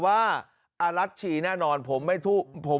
มีพฤติกรรมเสพเมถุนกัน